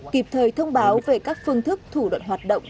kịp thời thông báo về các phương thức thủ đoạn hoạt động